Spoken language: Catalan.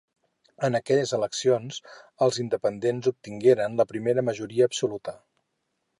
En aquelles eleccions els Independents obtingueren la primera majoria absoluta.